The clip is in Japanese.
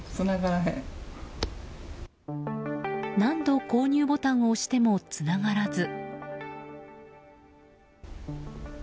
何度、購入ボタンを押してもつながらず。